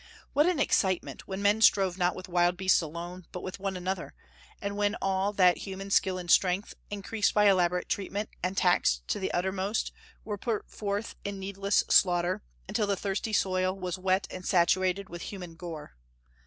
What an excitement, when men strove not with wild beasts alone, but with one another; and when all that human skill and strength, increased by elaborate treatment, and taxed to the uttermost, were put forth in needless slaughter, until the thirsty soil was wet and saturated with human gore!